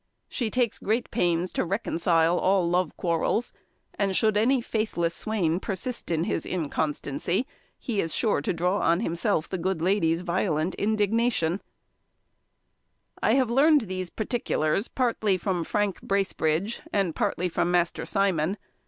She takes great pains to reconcile all love quarrels, and should any faithless swain persist in his inconstancy, he is sure to draw on himself the good lady's violent indignation. [Illustration: Master Simon over the Accounts] I have learned these particulars partly from Frank Bracebridge, and partly from Master Simon.